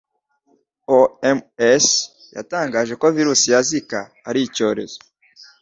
OMS yatangaje ko Virus ya Zika ari icyorezo